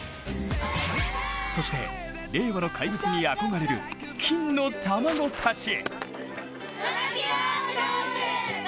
そして、令和の怪物に憧れる金の卵たち。